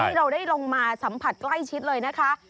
เราได้ลงมาสัมผัสใกล้ชิดเลยนะคะ